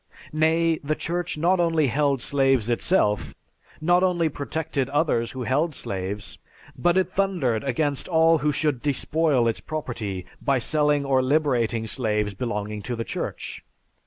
Nay, the Church not only held slaves itself, not only protected others who held slaves, but it thundered against all who should despoil its property by selling or liberating slaves belonging to the Church.